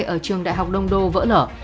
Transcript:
ở trường đại học đông đô vỡ lở